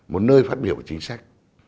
một nơi phát biểu chính sách